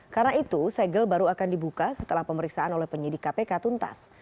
karena itu segel baru akan dibuka setelah pemeriksaan oleh penyidik kpk tuntas